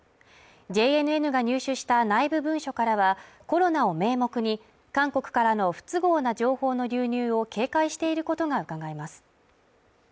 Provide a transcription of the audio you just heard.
ＪＮＮが入手した内部文書からは、コロナを名目に韓国からの不都合な情報の流入を警戒していることがうかがえます。